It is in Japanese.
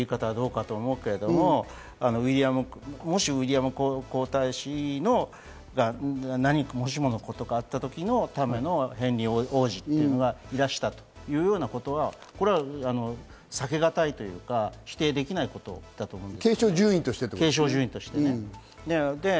弟君がね、ある意味でスペアという言い方はどうかと思うけれども、もしウィリアム皇太子の、もしもの事があったときのためのヘンリー王子というのがいらしたというようなことは避けがたいというか、否定できないことだと思います。